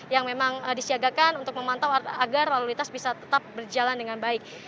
yang memang disiagakan untuk memantau agar lalu lintas bisa tetap berjalan dengan baik